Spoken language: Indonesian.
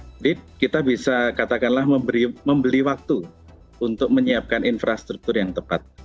jadi kita bisa katakanlah membeli waktu untuk menyiapkan infrastruktur yang tepat